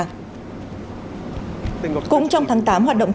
cũng trong tháng tám hoạt động thủ đô nga đã được đồng hành